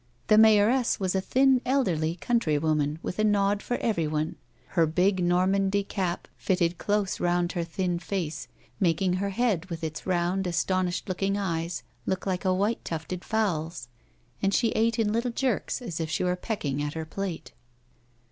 The mayoress was a thin, elderly, country woman with a nod for everyone ; her big Normandy cap fitted close round her thin face, making her head, with its round, astonished looking eyes, look like a white tufted fowl's, and she ate in little jerks as if she were pecking at her plate.